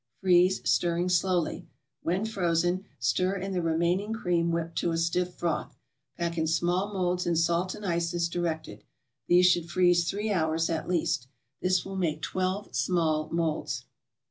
Freeze, stirring slowly. When frozen, stir in the remaining cream whipped to a stiff froth. Pack in small molds in salt and ice as directed. These should freeze three hours at least. This will make twelve small molds.